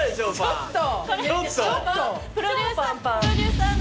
ちょっと。